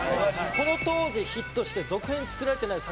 この当時ヒットして続編作られてない作品ないんですよ。